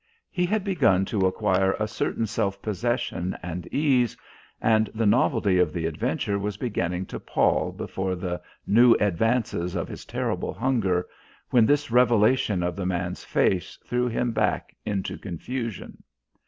He had begun to acquire a certain self possession and ease, and the novelty of the adventure was beginning to pall before the new advances of his terrible hunger, when this revelation of the man's face threw him back into confusion.